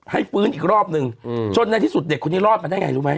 ให้ฟื้นอีกรอบหนึ่งอืมช่วงในที่สุดเด็กคนนี้รอบกันได้ไงรู้ไหม